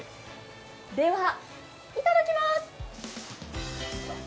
ではいただきます！